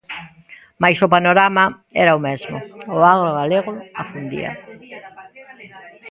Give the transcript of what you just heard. Mais o panorama era o mesmo: o agro galego afundía.